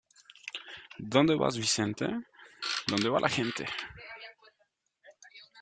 ¿Dónde vas Vicente?, donde va la gente.